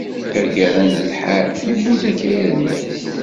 Tagara n lḥal, yewwi-d akayad-nni.